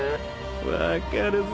分かるぜ。